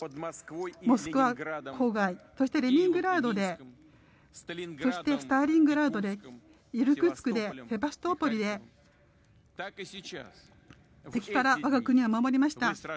モスクワ郊外そしてレニングラードでそしてスターリングラードでヘバストポリで敵から我が国を守りました。